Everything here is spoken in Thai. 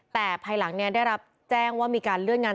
แต่ภายหลังได้รับแจ้งว่ากำลังจะแต่งงาน